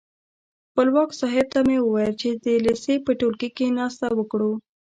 خپلواک صاحب ته مې وویل چې د لېسې په ټولګي کې ناسته وکړو.